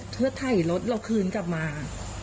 เพื่อถ่ายรถเราคืนกลับมา